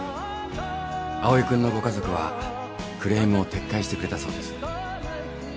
蒼君のご家族はクレームを撤回してくれたそうです。